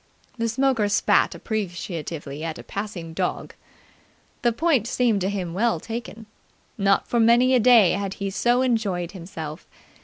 The smoker spat appreciatively at a passing dog. The point seemed to him well taken. Not for many a day had he so enjoyed himself.